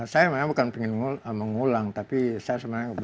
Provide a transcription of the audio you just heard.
saya memang bukan pengen mengulang tapi saya sebenarnya berhubung